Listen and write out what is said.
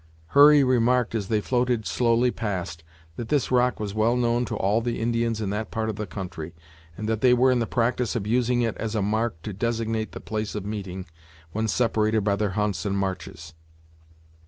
Hurry remarked, as they floated slowly past, that this rock was well known to all the Indians in that part of the country, and that they were in the practice of using it as a mark to designate the place of meeting, when separated by their hunts and marches.